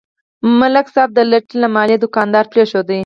ملک صاحب د لټۍ له امله دوکانداري پرېښوده.